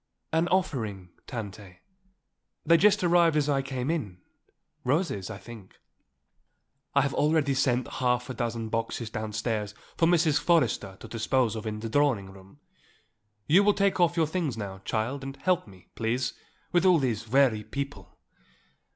"An offering, Tante; they just arrived as I came in. Roses, I think." "I have already sent half a dozen boxes downstairs for Mrs. Forrester to dispose of in the drawing room. You will take off your things now, child, and help me, please, with all these weary people.